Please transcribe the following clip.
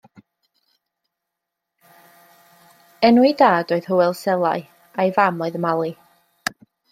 Enw'i dad oedd Hywel Selau a'i fam oedd Mali.